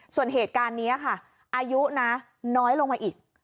ส่วนเหตุการณ์นี้ค่ะอายุนะน้อยลงมาอีก